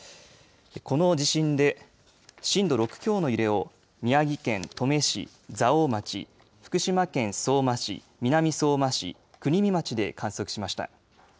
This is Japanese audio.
この地震で震度６強の揺れを宮城県登米市、蔵王町福島県相馬市、南相馬市国見町で観測しました。